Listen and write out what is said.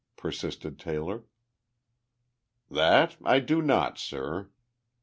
persisted Taylor. "That I do not, sir.